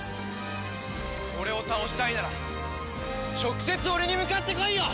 俺を倒したいなら直接俺に向かって来いよ！